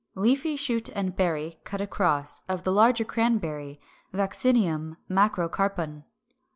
Leafy shoot and berry (cut across) of the larger Cranberry, Vaccinium macrocarpon.